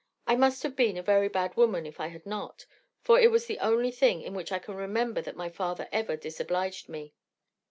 I must have been a very bad woman if I had not, for it was the only thing in which I can remember that my father ever disobliged me.